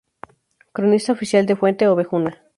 Cronista oficial de Fuente Obejuna.